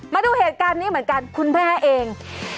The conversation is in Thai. มาดูเหตุการณ์นี้เหมือนกันคุณแม่เอง